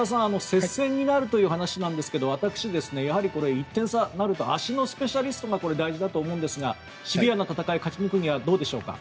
接戦になるという話なんですが私、やはり１点差になると足のスペシャリストが大事だと思うんですがシビアな戦いを勝ち抜くにはどうでしょうか？